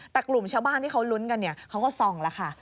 แต่กลุ่มชาวบ้านที่เขาลุ้นกันเนี่ยเขาก็ส่องแล้วค่ะ